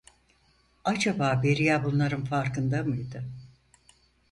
Acaba Beria bunların farkında mıydı?